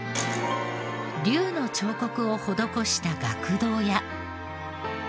龍の彫刻を施した額堂や。